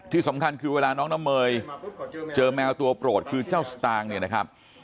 ที่สำคัญคือเวลาน้องน้ำเมยเจอแมวตัวโปรดคือเจ้าสตางค์เนี่ยนะครับ